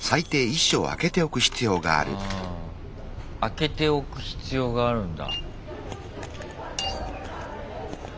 あけておく必要があるんだ。